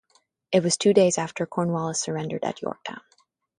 It was two days after Cornwallis surrendered at Yorktown.